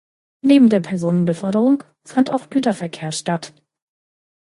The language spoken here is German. Neben der Personenbeförderung fand auch Güterverkehr statt.